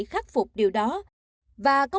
khắc phục điều đó và có